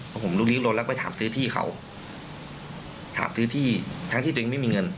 พอผมลุกลิ้รถแล้วก็ไปถามซื้อที่เขาถามซื้อที่ทั้งที่ตัวเองไม่มีเงิน